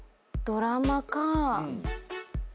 ドラマか。